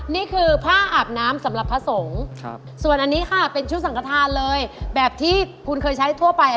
นี่คือผ้าอาบน้ำสำหรับพระสงฆ์ส่วนอันนี้ค่ะเป็นชุดสังขทานเลยแบบที่คุณเคยใช้ทั่วไป